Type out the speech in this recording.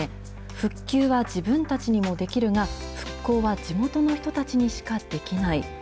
復旧は自分たちにもできるが、復興は地元の人たちにしかできない。